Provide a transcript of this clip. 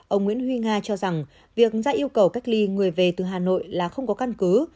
ông nguyễn huy nga cho rằng việc ra yêu cầu cách ly người về từ hà nội là không có căn cứ